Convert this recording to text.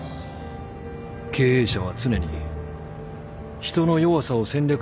経営者は常に人の弱さを戦略に入れるべきだ。